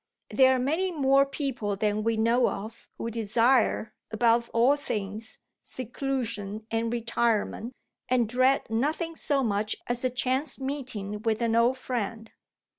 There are many more people than we know of who desire, above all things, seclusion and retirement, and dread nothing so much as a chance meeting with an old friend.